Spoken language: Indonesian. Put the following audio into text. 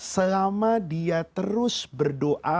selama dia terus berdoa